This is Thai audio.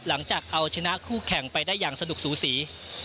หลังจากเอาชนะคู่แข่งไปได้อย่างสนุกสูสี